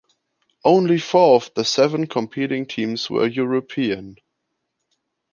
Only four of the seven competing teams were European.